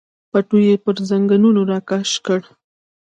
پټو یې پر زنګنونو راکش کړ.